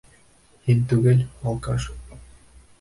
Һин түгел, алкаш!